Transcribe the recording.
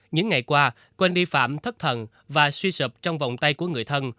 những ngày qua quên đi phạm thất thần và suy sụp trong vòng tay của người thân